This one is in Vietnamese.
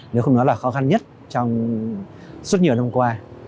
nếu không nói là khó khăn nhất trong suốt nhiều năm qua